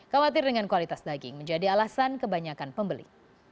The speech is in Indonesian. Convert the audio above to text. khawatir dengan kualitas daging menjadi alasan kebanyakan pembeli